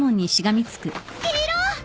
黄色！